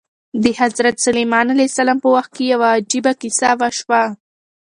د حضرت سلیمان علیه السلام په وخت کې یوه عجیبه کیسه وشوه.